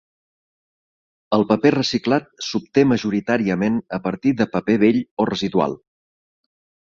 El paper reciclat s'obté majoritàriament a partir de paper vell o residual.